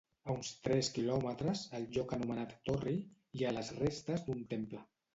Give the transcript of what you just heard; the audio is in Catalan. A uns tres quilòmetres, al lloc anomenat Torri, hi ha les restes d'un temple.